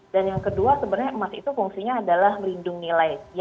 dan yang kedua sebenarnya emas itu fungsinya adalah merindung nilai